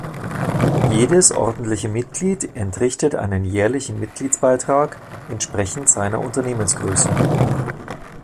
Jedes ordentliche Mitglied entrichtet einen jährlichen Mitgliedsbeitrag entsprechend seiner Unternehmensgröße.